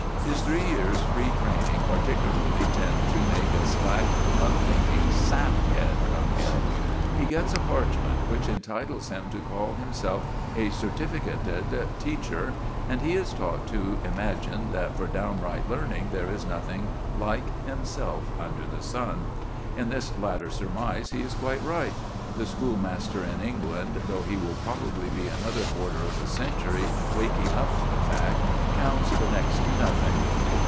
His three years' free training particularly tend to make a slack, unthinking sap head of him. He gets a parchment which entitles him to call himself a certificated teacher, and he is taught to imagine that for downright learning there is nothing like himself under the sun. In this latter surmise he is quite right. The schoolmaster in England, though he will probably be another quarter of a century waking up to the fact, counts for next to nothing.